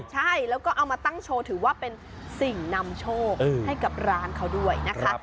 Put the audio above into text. ใช่แล้วก็เอามาตั้งโชว์ถือว่าเป็นสิ่งนำโชคให้กับร้านเขาด้วยนะคะ